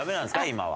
今は」。